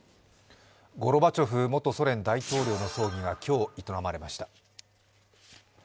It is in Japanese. ゴルバチョフ元ソ連大統領の葬儀が今日営まれました。